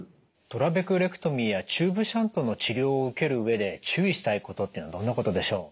トラベクレクトミーやチューブシャントの治療を受ける上で注意したいことっていうのはどんなことでしょう？